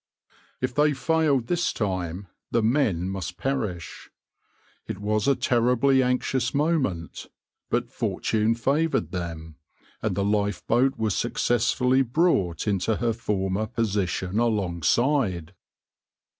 If they failed this time the men must perish. It was a terribly anxious moment, but fortune favoured them, and the lifeboat was successfully brought into her former position alongside.